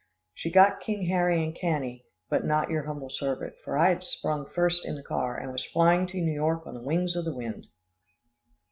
She got King Harry and Cannie, but not your humble servant, for I had sprung first in the car, and was flying to New York on the wings of the wind.